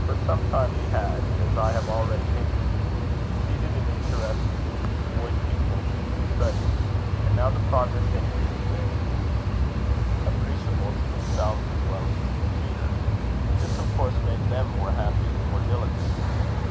For some time he had, as I have already hinted, succeeded in interesting his boy pupils in their studies; and now the progress they made began to be appreciable to themselves as well as to their tutor. This of course made them more happy and more diligent.